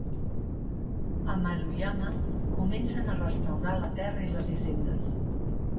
A Maruyama, comencen a restaurar la terra i les hisendes.